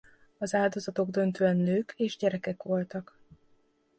Az áldozatok döntően nők és gyerekek voltak.